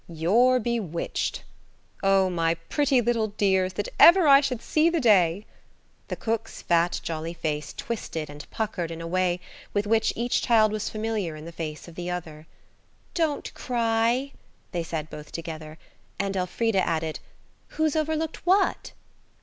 You're bewitched. Oh, my pretty little dears, that ever I should see the day–" The cook's fat, jolly face twisted and puckered in a way with which each child was familiar in the face of the other. "Don't cry," they said both together; and Elfrida added, "Who's overlooked what?"